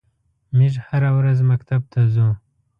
میږ هره ورځ مکتب ته څو.